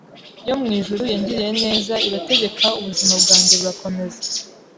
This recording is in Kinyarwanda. yo mu ijuru yangiriye neza irategeka ubuzima bwanjye burakomeza